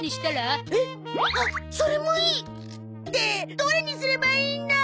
どれにすればいいんだ！